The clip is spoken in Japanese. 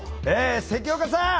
関岡さん。